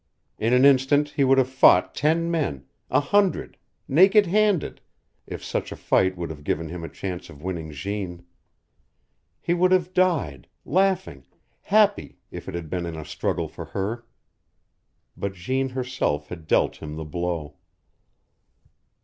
In an instant he would have fought ten men a hundred, naked handed, if such a fight would have given him a chance of winning Jeanne; he would have died, laughing, happy, if it had been in a struggle for her. But Jeanne herself had dealt him the blow.